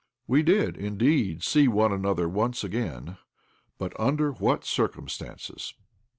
We did, indeed, see one another once again; but under what circumstances!